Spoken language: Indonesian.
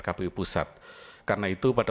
kpu pusat karena itu pada